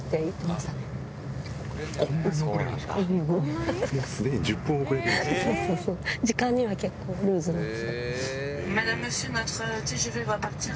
そうそうそう、時間には結構ルーズなんですよ。